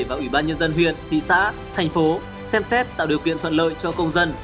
và ủy ban nhân dân huyện thị xã thành phố xem xét tạo điều kiện thuận lợi cho công dân